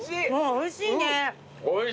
おいしい！